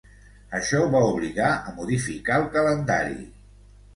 Això va obligar a modificar el calendari.